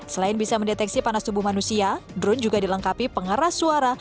selain bisa mendeteksi panas tubuh manusia drone juga dilengkapi pengeras suara